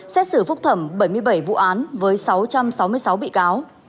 xét xử phúc thẩm bảy mươi bảy vụ án với sáu trăm sáu mươi sáu bị cáo